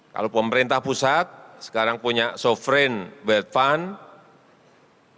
kalau pemerintah pusat sekarang punya sovereign wealth fund